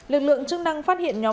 lực lượng chức năng phát hiện nhóm